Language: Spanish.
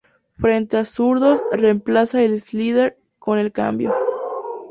Frente a zurdos, reemplaza el "slider" con el cambio.